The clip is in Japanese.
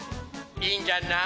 「いいんじゃない？」。